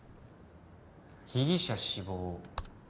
「被疑者死亡」